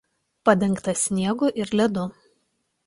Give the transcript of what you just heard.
Padengtas sniegu ir ledu.